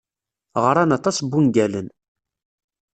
Ɣran aṭas n wungalen.